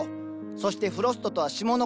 そしてフロストとは霜のこと。